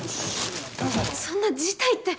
そんな辞退って。